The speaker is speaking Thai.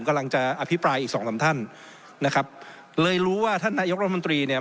กำลังจะอภิปรายอีกสองสามท่านนะครับเลยรู้ว่าท่านนายกรัฐมนตรีเนี่ย